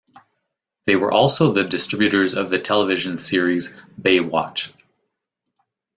They were also the distributors of the television series "Baywatch".